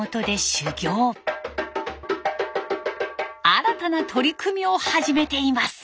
新たな取り組みを始めています。